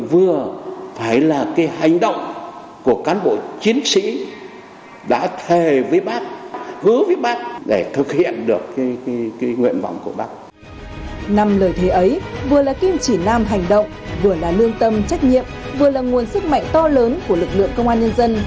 vừa là nguồn sức mạnh to lớn của lực lượng công an nhân dân